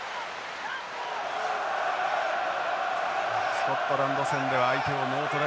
スコットランド戦では相手をノートライに抑えました。